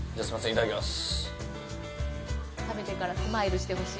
いただきます。